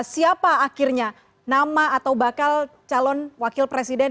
siapa akhirnya nama atau bakal calon wakil presiden